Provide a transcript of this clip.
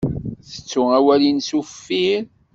Tettu awal-nnes uffir.